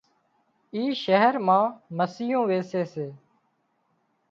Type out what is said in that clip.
اي شهر مان مسيون ويسي سي